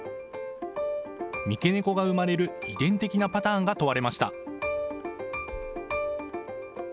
三毛猫が生まれる遺伝的なパターンが問われました。